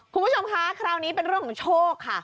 คุณผู้ชมคะคราวนี้เป็นเรื่องของโชคค่ะ